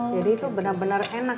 jadi itu benar benar enak